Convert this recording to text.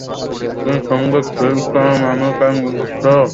তিনি সংগীত ফিল্মস নামে তাঁর নিজস্ব প্রযোজনা সংস্থা শুরু করেছিলেন।